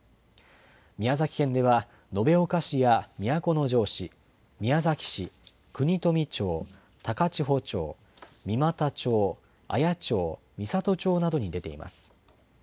宮崎県では、延岡市や都城市、宮崎市、国富町、高千穂町、三股町、綾町、美郷町などに出ています。